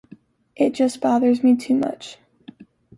It just bothers me too much.